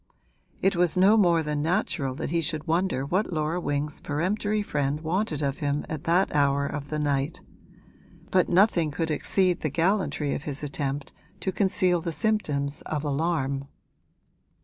It was no more than natural that he should wonder what Laura Wing's peremptory friend wanted of him at that hour of the night; but nothing could exceed the gallantry of his attempt to conceal the symptoms of alarm.